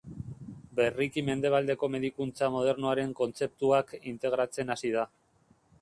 Berriki Mendebaldeko medikuntza modernoaren kontzeptuak integratzen hasi da.